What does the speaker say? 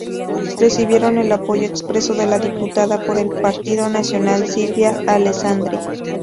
Recibieron el apoyo expreso de la diputada por el Partido Nacional Silvia Alessandri.